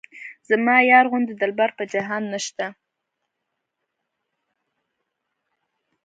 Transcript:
زما یار غوندې دلبر په جهان نشته.